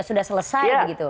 sudah selesai begitu